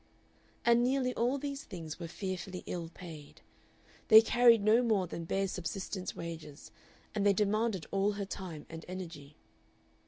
And nearly all these things were fearfully ill paid. They carried no more than bare subsistence wages; and they demanded all her time and energy.